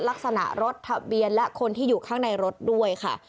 ลักษณะรถทะเบียนและคนที่อยู่ข้างในรถด้วยค่ะ